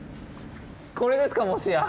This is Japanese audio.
これですかもしや。